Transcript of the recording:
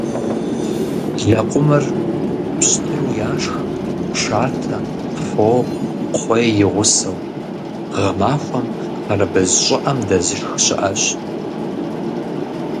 Лэкъумыр пщтыру яшх, шатэ, фо, кхъуей и гъусэу. Гъэмахуэм хъарбыз щӏыӏэм дэзышх щыӏэщ.